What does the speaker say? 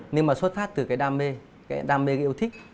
nhưng mà xuất phát từ cái đam mê cái đam mê yêu thích